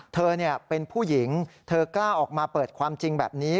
เธอเป็นผู้หญิงเธอกล้าออกมาเปิดความจริงแบบนี้